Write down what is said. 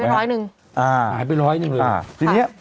หายไป๑๐๐นึง